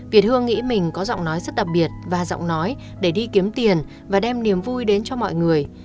việt hương nghĩ mình có giọng nói rất đặc biệt và giọng nói để đi kiếm tiền và đem niềm vui đến cho mọi người